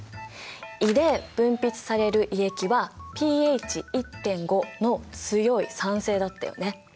胃で分泌される胃液はｐＨ１．５の強い酸性だったよね。